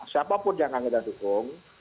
siapapun yang akan kita dukung